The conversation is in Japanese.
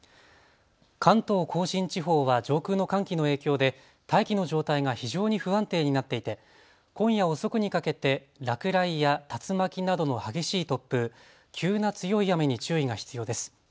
関東甲信地方は上空の寒気の影響で大気の状態が非常に不安定になっていて今夜遅くにかけて落雷や竜巻などの激しい突風、急な強い雨に注意が必要です。